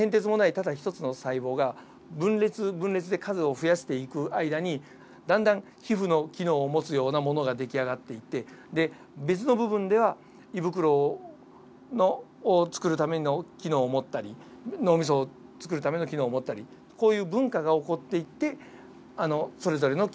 ただ一つの細胞が分裂分裂で数を増やしていく間にだんだん皮膚の機能を持つようなものができあがっていって別の部分では胃袋を作るための機能を持ったり脳みそを作るための機能を持ったりこういう分化が起こっていってそれぞれの器官ができあがると。